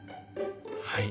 はい。